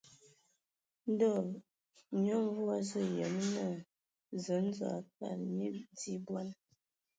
Ndɔ Nyia Mvu a azu yem naa Zǝǝ ndzo e akad nye di bɔn.